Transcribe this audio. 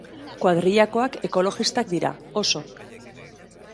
Kuadrillakoak ekolojistak dira, oso.